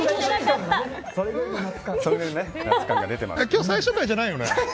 今日、最終回じゃないよね？